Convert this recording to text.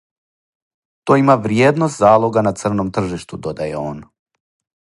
"То има вриједност залога на црном тржишту," додаје он."